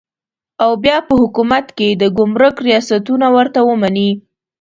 او بیا په حکومت کې د ګمرک ریاستونه ورته ومني.